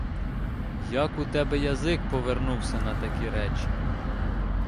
Як у тебе язик повернувся на такі речі?